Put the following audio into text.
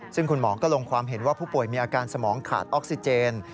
ซึ่งคุณหมอก็ลงความเห็นว่าผู้ป่วยมีอาการสมองขาดออกซิเจน